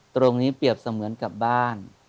ตรงนี้เปรียบเสมือนกับบ้าน